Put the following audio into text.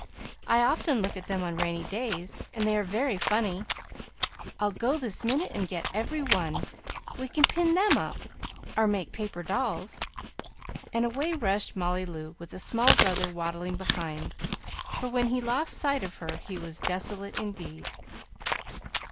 I often look at them on rainy days, and they are very funny. I'll go this minute and get every one. We can pin them up, or make paper dolls;" and away rushed Molly Loo, with the small brother waddling behind, for, when he lost sight of her, he was desolate indeed.